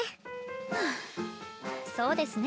ハァそうですね。